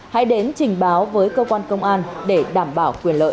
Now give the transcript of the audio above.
hãy đến trình báo với cơ quan công an để đảm bảo quyền lợi